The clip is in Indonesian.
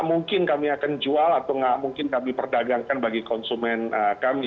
mungkin kami akan jual atau nggak mungkin kami perdagangkan bagi konsumen kami